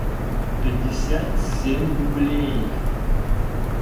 пятьдесят семь рублей